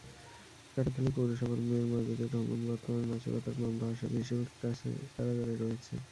কাটাখালী পৌরসভার মেয়র মাজেদুর রহমান বর্তমানে নাশকতার মামলার আসামি হিসেবে কারাগারে রয়েছেন।